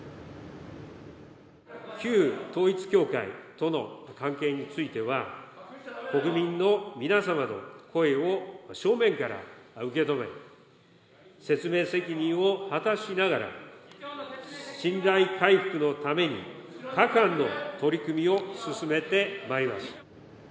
旧統一教会との関係については、国民の皆様の声を正面から受け止め、説明責任を果たしながら、信頼回復のために各般の取り組みを進めてまいります。